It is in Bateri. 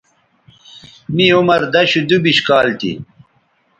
می عمر دشودُوبش کال تھی